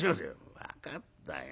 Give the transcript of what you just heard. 「分かったよ。